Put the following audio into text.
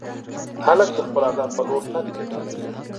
هلک د خپل هدف په لور تګ کوي.